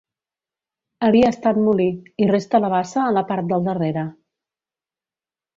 Havia estat molí, hi resta la bassa a la part del darrere.